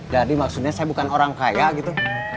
jadi maksudnya saya bukan orang kaya gitu